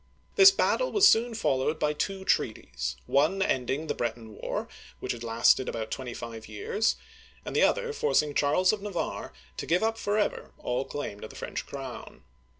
This battle was soon followed by two treaties, one end ing the Breton war, which had lasted about twenty five years, and the other forcing Charles of Navarre to give up forever all claim to the French crown.